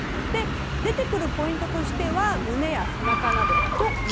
出てくるポイントとしては胸や背中など。